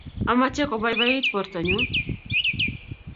Amache kobaibait borto nyu